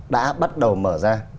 đã bắt đầu mở ra